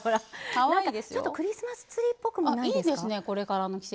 ちょっとクリスマスツリーっぽくないですか。